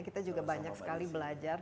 kita juga banyak sekali belajar